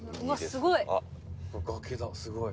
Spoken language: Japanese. すごい。